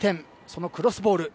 そのクロスボール。